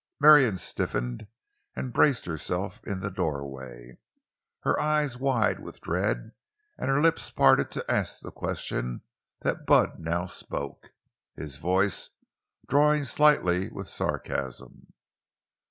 Marion stiffened and braced herself in the doorway, her eyes wide with dread and her lips parted to ask the question that Bud now spoke, his voice drawling slightly with sarcasm.